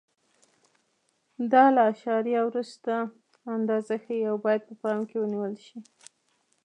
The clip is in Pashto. دا له اعشاریه وروسته اندازه ښیي او باید په پام کې ونیول شي.